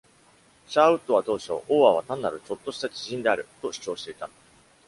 シャーウッドは当初、オーアは単なる「ちょっとした知人」であると主張していた。